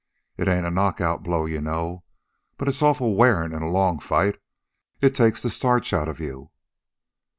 It ain't a knockout blow, you know, but it's awful wearin' in a long fight. It takes the starch out of you."